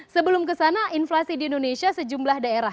sebelum ke sana inflasi di indonesia sejumlah daerah